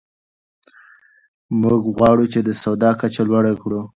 موږ غواړو چې د سواد کچه لوړه کړو.